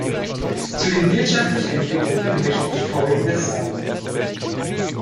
Zu den wirtschaftlichen Entwicklungen möchte ich folgendes sagen.